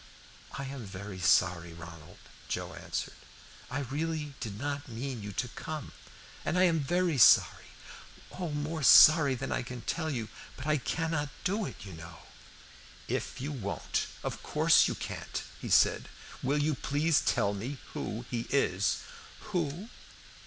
"I am very sorry, Ronald," Joe answered. "I really did not mean you to come, and I am very sorry, oh, more sorry than I can tell you, but I cannot do it, you know." "If you won't, of course you can't," he said. "Will you please tell me who he is?" "Who?